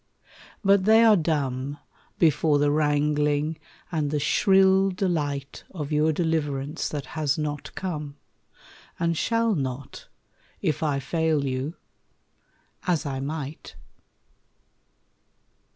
But they are dumb Before the wrangling and the shrill delight Of your deliverance that has not come, And shall not, if I fail you as I might.